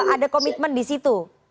ada komitmen di situ